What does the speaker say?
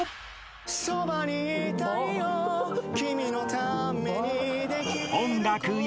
「そばにいたいよ君のために」